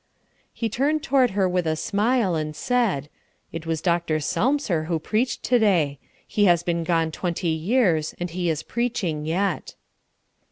He turned toward her with a smile, and said: "It was Dr. Selmser who preached to day. He has been gone twenty years, and he is preaching yet."